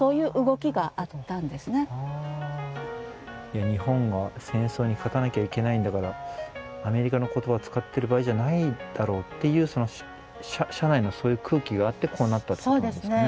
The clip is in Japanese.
いや日本が戦争に勝たなきゃいけないんだからアメリカの言葉を使ってる場合じゃないだろうっていう社内のそういう空気があってこうなったってことなんですかね。